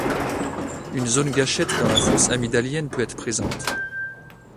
Une zone gâchette dans la fosse amygdalienne peut être présente.